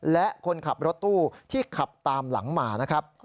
และคนขับรถตู้ที่ขับตามหลังมานะครับ